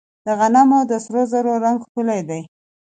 د غنمو د سرو زرو رنګ ښکلی دی.